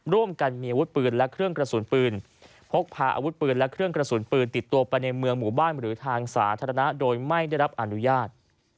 ร่วมกันมีอาวุธปืนและเครื่องกระสุนปืนพกพาอาวุธปืนและเครื่องกระสุนปืนติดตัวไปในเมืองหมู่บ้านหรือทางสาธารณะโดยไม่ได้รับอนุญาต